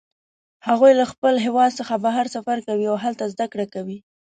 هغوی له خپل هیواد څخه بهر سفر کوي او هلته زده کړه کوي